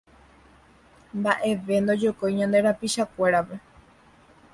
Mbaʼeve ndojokói ñande rapichakuérape